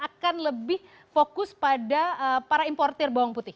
akan lebih fokus pada para importer bawang putih